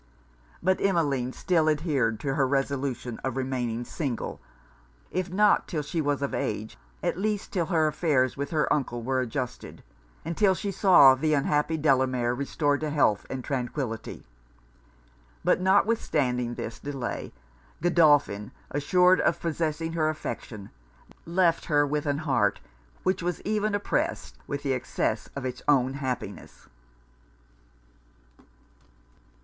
But Emmeline still adhered to her resolution of remaining single, if not 'till she was of age, at least till her affairs with her uncle were adjusted, and 'till she saw the unhappy Delamere restored to health and tranquillity. But notwithstanding this delay, Godolphin, assured of possessing her affection, left her with an heart which was even oppressed with the excess of it's own happiness.